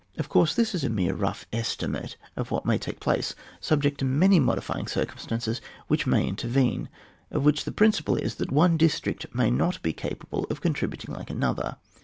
Of course this is a mere rough esti* mate of what may take place, subject to manymodifying circumstances which may intervene, of which the principal is, that one district may not be capable of con tributing like another.